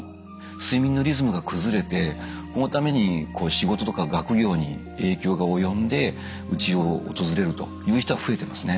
睡眠のリズムが崩れてそのために仕事とか学業に影響が及んでうちを訪れるという人が増えていますね。